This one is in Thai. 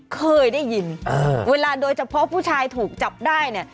เคยได้ยินเวลาโดยเฉพาะผู้ชายถูกจับได้เนี่ย